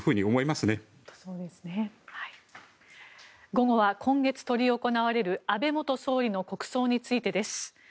午後は今月、執り行われる安倍元総理の国葬についてです。